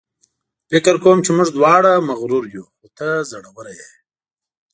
فکر کوم چې موږ دواړه مغرور یو، خو ته زړوره یې.